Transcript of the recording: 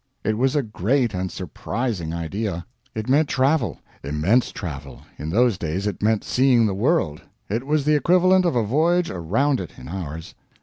It was a great and surprising idea. It meant travel immense travel in those days it meant seeing the world; it was the equivalent of a voyage around it in ours.